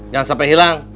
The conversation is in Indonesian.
jangan sampai hilang